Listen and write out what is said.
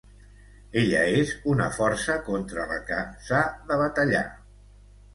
Ella és una força contra la que s'ha de batallar.